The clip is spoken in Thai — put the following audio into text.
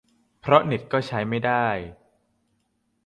เพราะเน็ตก็ใช้ไม่ได้